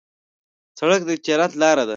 سړک د تجارت لاره ده.